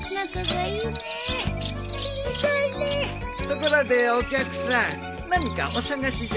ところでお客さん何かお探しですか？